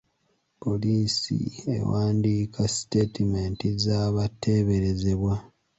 Poliisi ewandiika sitatimenti z'abateeberezebwa.